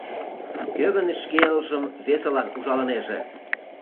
Кӧ гын шке элжым весылан ужалынеже?